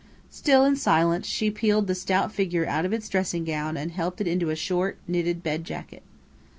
Still in silence, she peeled the stout figure of its dressing gown and helped it into a short, knitted bed jacket.